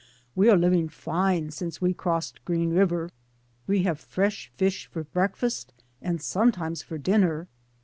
We are living fine since we crossed Green River. We have fresh fish for breakfast and some times for dinner.